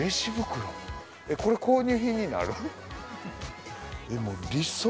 これ購入品になる？